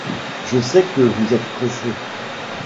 Je sais que vous êtes pressée.